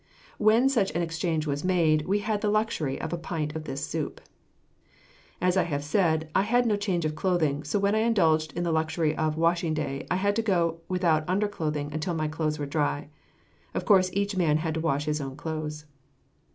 When such an exchange was made, we had the luxury of a pint of this soup. As I have said, I had no change of clothing, so when I indulged in the luxury of washing day, I had to go without underclothing until my clothes were dry. Of course, each man had to wash his own clothes.